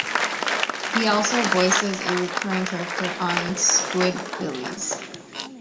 He also voices a recurring character on Squidbillies.